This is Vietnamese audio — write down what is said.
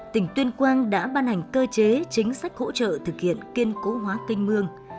tỉnh tuyên quang đã ban hành cơ chế chính sách hỗ trợ thực hiện kiên cố hóa kênh mương